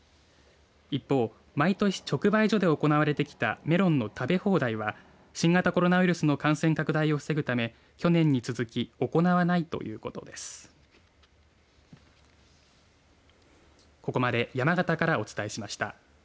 一方、毎年直売所で行われてきたメロンの食べ放題は新型コロナウイルスの感染拡大を防ぐため去年に続き行わないということです。